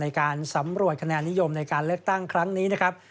ในการสำรวจคะแนนนิยมในการเลือกตั้งครั้งนี้นะครับ